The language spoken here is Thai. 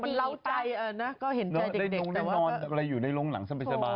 มันเล่าใจนะก็เห็นใจเด็กแต่ว่าแต่มันก็ไม่ได้มันก็ผิดนะ